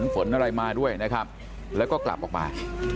ฝนอะไรมาด้วยนะครับแล้วก็กลับออกมา